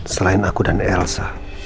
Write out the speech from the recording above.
selain aku dan elsa